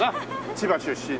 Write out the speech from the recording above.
千葉出身の。